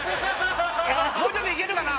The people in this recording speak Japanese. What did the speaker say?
もうちょっといけるかな？